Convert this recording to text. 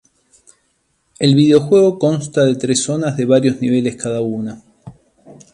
El videojuego consta de tres zonas de varios niveles cada una.